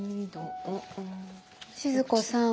静子さん。